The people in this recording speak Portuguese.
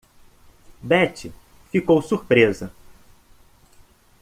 Betty ficou surpresa.